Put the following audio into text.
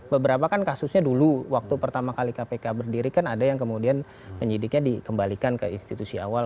beberapa kan kasusnya dulu waktu pertama kali kpk berdiri kan ada yang kemudian penyidiknya dikembalikan ke institusi awal